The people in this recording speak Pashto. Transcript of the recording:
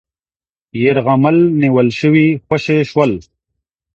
یيرغمل نیول شوي خوشې شول